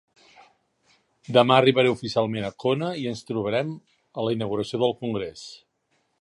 Demà arribaré oficialment a Kona i ens trobarem a la inauguració del congrés.